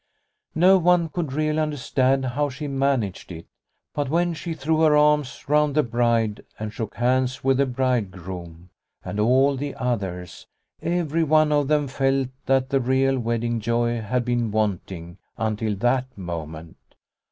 No one could really understand how she managed it, but when she threw her arms round the bride and shook hands with the bridegroom and all the others, every one of them felt that the real wedding joy had been wanting until that moment.